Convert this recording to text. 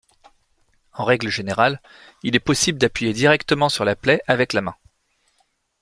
En règle générale, il est possible d'appuyer directement sur la plaie avec la main.